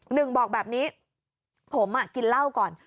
หนึ่งบอกแบบนี้ผมกินเหล้าก่อน